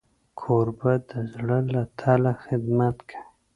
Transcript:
کوربه د زړه له تله خدمت کوي.